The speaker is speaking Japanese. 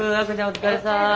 お疲れさまです。